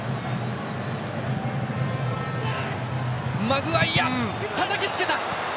マグワイア、たたきつけた。